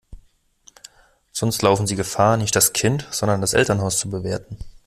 Sonst laufen sie Gefahr, nicht das Kind, sondern das Elternhaus zu bewerten.